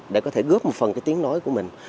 để có thể góp một phần cái tiếng nói của mình